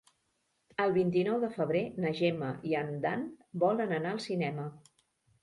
El vint-i-nou de febrer na Gemma i en Dan volen anar al cinema.